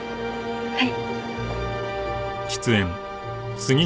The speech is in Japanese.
はい。